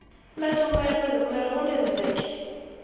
Ma tumarem, ad umareɣ ula d nekk.